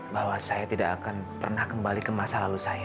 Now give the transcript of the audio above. bahwa saya tidak akan pernah kembali ke masa lalu saya